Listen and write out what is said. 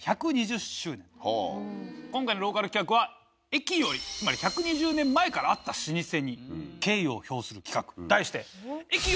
今回のローカル企画は駅よりつまり１２０年前からあった老舗に敬意を表する企画題して。